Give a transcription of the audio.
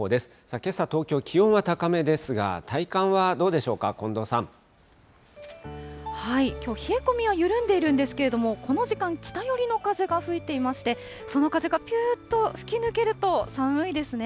けさ、東京、気温は高めですが、きょう、冷え込みは緩んでいるんですけれども、この時間、北寄りの風が吹いていまして、その風がぴゅーっと吹き抜けると寒いですね。